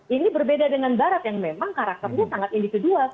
ini berbeda dengan barat yang memang karakternya sangat individual